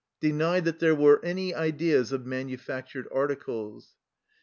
9), denied that there were any ideas of manufactured articles.